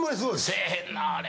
せいへんなあれ。